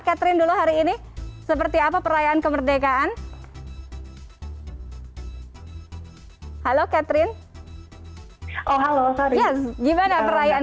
catherine dulu hari ini seperti apa perayaan kemerdekaan halo catherine oh halo yes gimana perayaan